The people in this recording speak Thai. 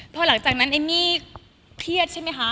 พอหลังจากนั้นเอมมี่เครียดใช่ไหมคะ